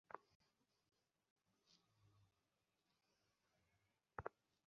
এখানে এতো ভীর কেনো লাগায় রাখছেন?